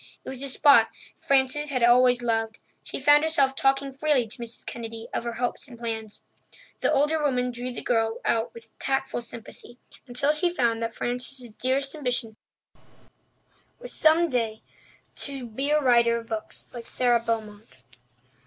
It was a spot Frances had always loved. She found herself talking freely to Mrs. Kennedy of her hopes and plans. The older woman drew the girl out with tactful sympathy until she found that Frances's dearest ambition was some day to be a writer of books like Sara Beaumont.